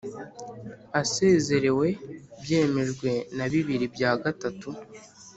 asezerewe byemejwe na bibiri bya gatatu